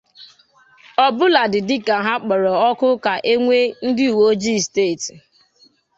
ọbụladị dịka ha kpọrọ òkù ka e nwee ndị uweojii steeti.